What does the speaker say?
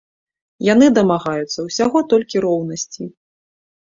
Яны дамагаюцца ўсяго толькі роўнасці.